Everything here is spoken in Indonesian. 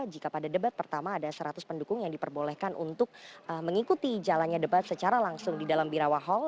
jika pada debat pertama ada seratus pendukung yang diperbolehkan untuk mengikuti jalannya debat secara langsung di dalam birawang